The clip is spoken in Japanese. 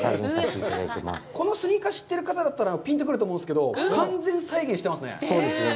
このスニーカーを知っている方ならピンとくると思うんですけど、完全再現してますね。